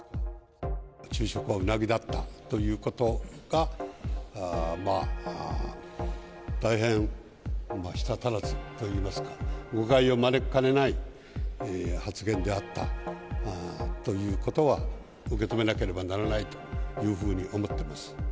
昼食はうなぎだったということが、まあ、大変舌足らずといいますか、誤解を招きかねない発言であったということは、受け止めなければならないというふうに思ってます。